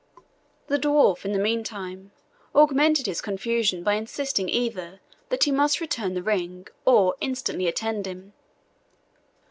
The dwarf, in the meantime, augmented his confusion by insisting either that he must return the ring or instantly attend him.